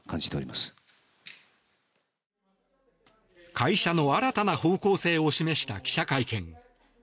会社の新たな方向性を示した記者会見。